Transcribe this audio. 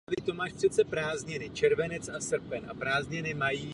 Protéká jimi řeka Labe.